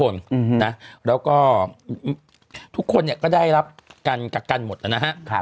แล้วก็ทุกคนก็ได้รับกันกักกันหมดแล้วนะฮะ